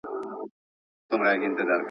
موږ نړۍ ته په بل نظر ګورو.